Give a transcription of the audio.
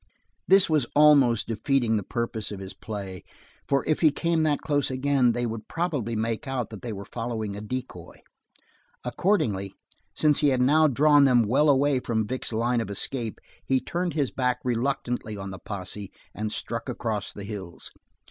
This was almost defeating the purpose of his play for if he came that close again they would probably make out that they were following a decoy. Accordingly, since he had now drawn them well away from Vic's line of escape, he turned his back reluctantly on the posse and struck across the hills.